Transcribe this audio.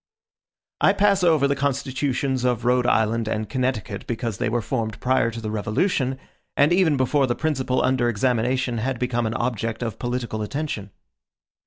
I pass over the constitutions of Rhode Island and Connecticut, because they were formed prior to the Revolution, and even before the principle under examination had become an object of political attention.